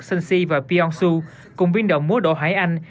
sanxi và pyeongsu cùng biên đạo múa đỗ hải anh